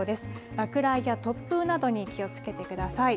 落雷や突風などに気をつけてください。